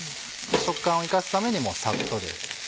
食感を生かすためにサッとで。